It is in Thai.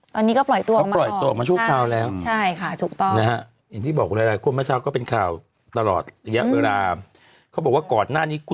ตอนนี้ก็ปล่อยตัวว่างมาตอนอเจมส์